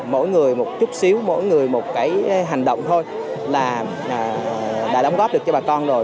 mỗi người một chút xíu mỗi người một cái hành động thôi là đã đóng góp được cho bà con rồi